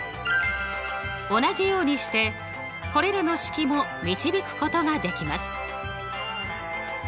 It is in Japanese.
同じようにしてこれらの式も導くことができます。